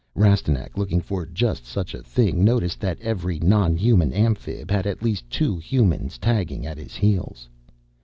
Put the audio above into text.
Rastignac, looking for just such a thing, noticed that every non human Amphib had at least two Humans tagging at his heels.